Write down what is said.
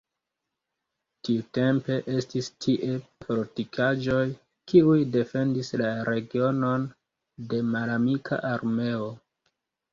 Tiutempe estis tie fortikaĵoj, kiuj defendis la regionon de malamika armeo.